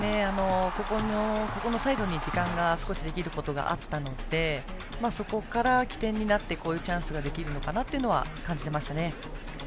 ここのサイドに時間が少しできることがあったのでそこから起点になってこういうチャンスができるのかなと感じてましたね。